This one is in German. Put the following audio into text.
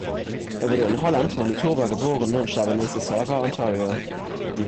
Er wurde in Holland, Manitoba geboren und starb in Mississauga, Ontario.